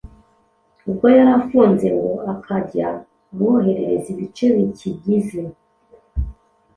ubwo yari afunze, ngo akajya amwoherereza ibice bikigize